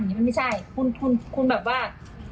มันไม่ใช่คุณแบบว่า